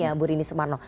ya buruk ini sumarno